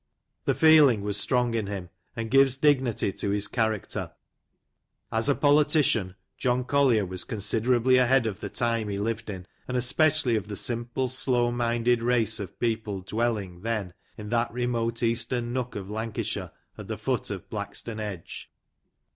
The feeling was strong in him, and gives dignity to his character. As a politician, John Collier was considerably ahead of the time he lived in, and especially of the simple, slow minded race of people dwell ing, then, in that remote eastern nook of Lancashire, at the foot of Blackstone Edge.